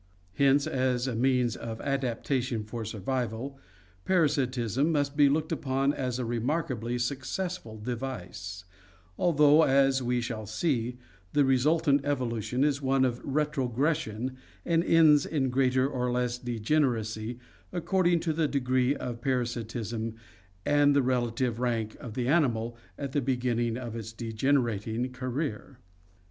Hence as a means of adaptation for survival, par asitism must be looked upon as a remarkably successful device, although, as we shall see, the resultant evolution is one of retro gression and ends in greater or less degeneracy according to the degree of parasitism and the relative rank of the animal at the beginning of its degenerating career.